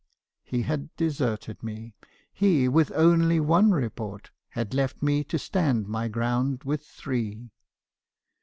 "He had deserted me. He — with only one report — had left me to stand my ground with three.